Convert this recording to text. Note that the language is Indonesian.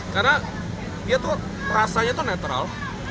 karena dia tuh rasanya tuh netral